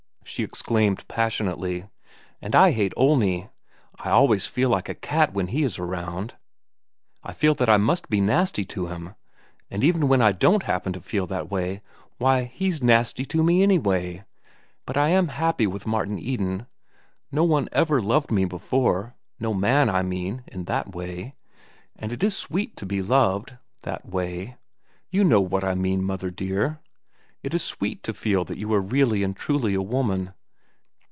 she exclaimed passionately. "And I hate Olney. I feel always like a cat when he is around. I feel that I must be nasty to him, and even when I don't happen to feel that way, why, he's nasty to me, anyway. But I am happy with Martin Eden. No one ever loved me before—no man, I mean, in that way. And it is sweet to be loved—that way. You know what I mean, mother dear. It is sweet to feel that you are really and truly a woman."